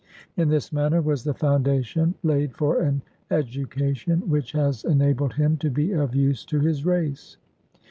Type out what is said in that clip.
In this manner was the foundation laid for an education which has enabled him to be of use to his race.